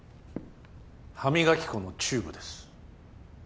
歯磨き粉のチューブです